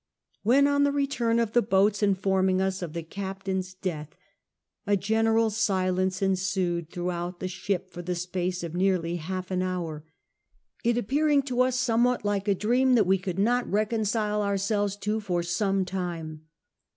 When on the return of the boats infonning us of the Captain's death, a general silence ensued throughout the ship for the space of near half an hour ;— it appearing to us somewhat like a dream that we could not reconcile ourselves to for some time.